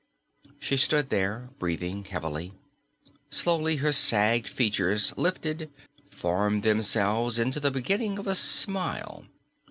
_ She stood there breathing heavily. Slowly her sagged features lifted, formed themselves into the beginning of a smile.